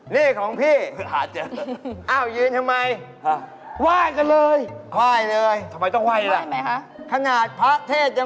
นี่ของพี่ค่ะจริงล่ะครับอ้าวยืนทำไมว่ายกันเลย